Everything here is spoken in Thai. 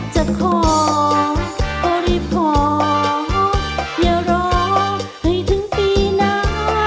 จากน้าจะขอโอริพออย่ารอให้ถึงปีน้า